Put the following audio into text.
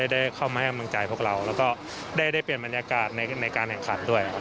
ได้เข้ามาทั้งใจพวกเราแล้วก็ได้เปลี่ยนบรรยากาศในการแห่งขัน